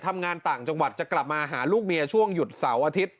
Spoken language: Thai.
ทำงานต่างจังหวัดจะกลับมาหาลูกเมียช่วงหยุดเสาร์อาทิตย์